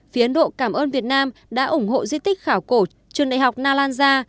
phía ấn độ cảm ơn việt nam đã ủng hộ di tích khảo cổ trường đại học nalanja